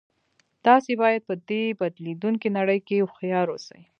تاسې باید په دې بدلیدونکې نړۍ کې هوښیار اوسئ